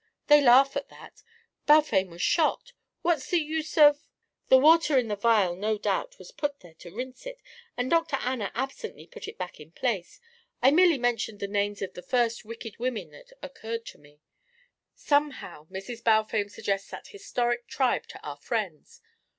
They laugh at that. Balfame was shot what's the use of the water in the vial no doubt was put there to rinse it, and Dr. Anna absently put it back in place. I merely mentioned the names of the first wicked women that occurred to me. Somehow Mrs. Balfame suggests that historic tribe to our friends.